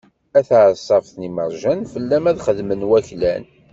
A taɛeṣṣabt n lmerjan, fell-am ad xedmen waklan.